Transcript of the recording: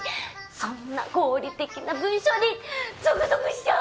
そんな合理的な文章にゾクゾクしちゃう！